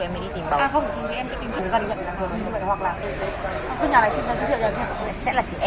mặt cá hả